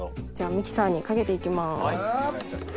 ミキサーにかけて行きます。